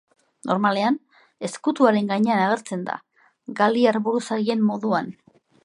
Normalean ezkutuaren gainean agertzen da, galiar buruzagien moduan.